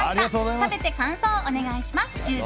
食べて感想をお願いします。